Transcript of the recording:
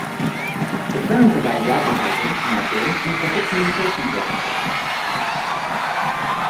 The firm provides advertising, marketing, and corporate communications services.